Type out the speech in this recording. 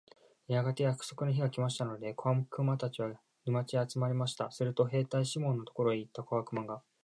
やがて約束の日が来ましたので、小悪魔たちは、沼地へ集まりました。すると兵隊シモンのところへ行った小悪魔が、